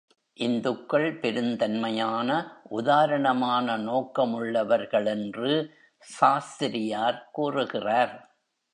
இந்துக்கள் பெருந்தன்மையான, உதாரணமான நோக்கமுள்ளவர்கள் என்று சாஸ்திரியார் கூறுகிறார்.